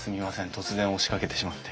突然押しかけてしまって。